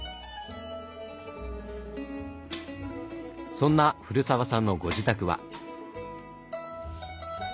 そんな古澤さんのご自宅は。